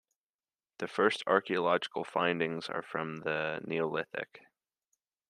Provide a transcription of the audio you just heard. The first archaeological findings are from the Neolithic.